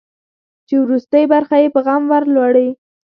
چې وروستۍ برخه یې په غم ور ولړي.